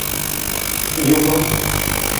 Yub.